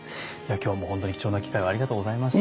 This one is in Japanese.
今日も本当に貴重な機会をありがとうございました。